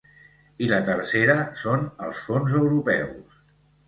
I la tercera són els fons europeus.